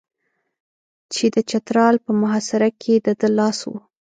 چې د چترال په محاصره کې د ده لاس و.